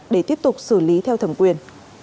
để tiếp tục xử lý theo thẩm quyền